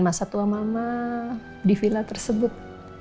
masa tua mama di villa tersebut